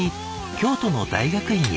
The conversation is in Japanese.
京都の大学院へ。